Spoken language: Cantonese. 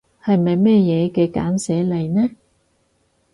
係咪咩嘢嘅簡寫嚟呢？